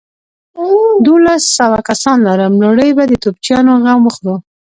دوولس سوه کسان لرم، لومړۍ به د توپچيانو غم وخورو.